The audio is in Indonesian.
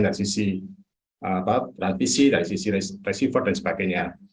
dari sisi pc dari sisi receiver dan sebagainya